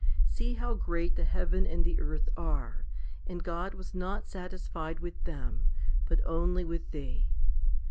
See how great the heaven and the earth are, and God was not satisfied with them, but only with thee.